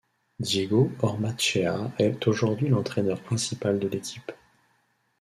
Diego Ormaechea est aujourd'hui l'entraîneur principal de l'équipe.